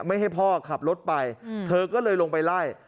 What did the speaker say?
ไม่ให้พ่อขับรถไปเธอก็เลยลงไปไล่